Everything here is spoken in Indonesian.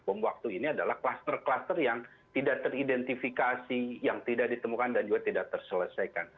bom waktu ini adalah kluster kluster yang tidak teridentifikasi yang tidak ditemukan dan juga tidak terselesaikan